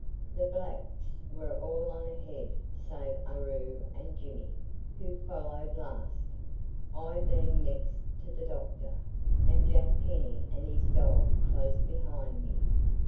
The blacks were all on ahead save Aroo and Jimmy, who followed last, I being next to the doctor, and Jack Penny and his dog close behind me.